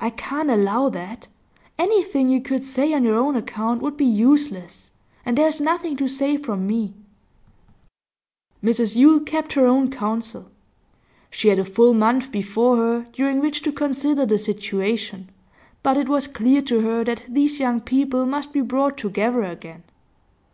'I can't allow that. Anything you could say on your own account would be useless, and there is nothing to say from me.' Mrs Yule kept her own counsel. She had a full month before her during which to consider the situation, but it was clear to her that these young people must be brought together again.